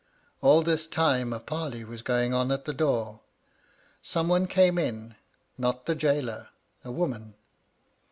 "All this time a parley was , going on at the door. Some one came in ; not the gaoler — a woman.